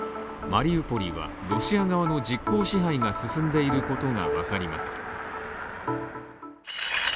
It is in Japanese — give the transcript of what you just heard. マリウポリはロシア側の実効支配が進んでいることが分かります。